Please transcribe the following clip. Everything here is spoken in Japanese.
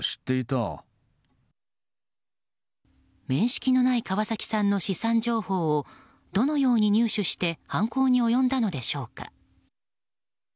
面識のない川崎さんの資産情報をどのように入手して犯行に及んだのでしょうか。